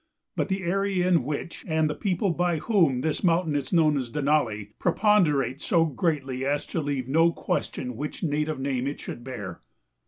But the area in which, and the people by whom, this mountain is known as Denali, preponderate so greatly as to leave no question which native name it should bear.